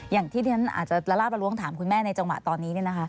อย่างที่เรียนอาจจะละลาบละล้วงถามคุณแม่ในจังหวะตอนนี้